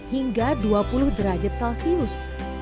hingga dua puluh derajat celcius